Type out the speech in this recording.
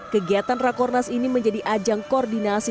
kegiatan rakornas ini menjadi ajang koordinasi